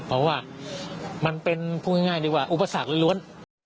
เพราะว่ามันเป็นพูดง่ายดีกว่าอุปสรรคล้วน